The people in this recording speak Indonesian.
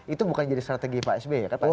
itu bukan jadi strategi pak sby ya kan